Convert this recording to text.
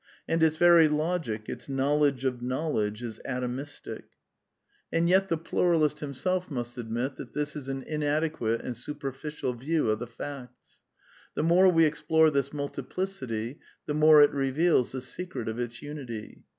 And its very Logic, its knowledge of knowledge, is atomistic. 292 A DEFENCE OF IDEALISM And yet the Pluralist himself must admit that this is an inadequate and superficial view of the facts. The more we explore this multiplicity, the more it reveals the secret of its unity.